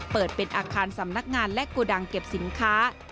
เปิดเป็นอาคารสำนักงานและโกดังเก็บสินค้า